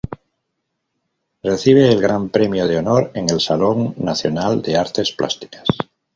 Recibe el Gran Premio de Honor en el Salón Nacional de Artes Plásticas.